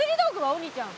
お兄ちゃん。